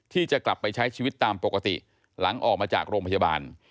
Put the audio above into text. ที่จะกลับไปใช้ชีวิตตามปกติหลังออกมาจากโรงพยาบาล